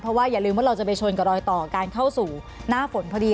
เพราะว่าอย่าลืมว่าเราจะไปชนกับรอยต่อการเข้าสู่หน้าฝนพอดี